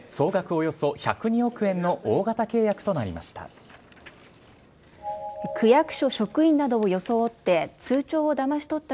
およそ１０２億円の大型契約となりました。